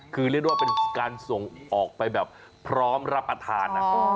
คือเรียกว่าเป็นการส่งออกไปแบบพร้อมรับประทานนะ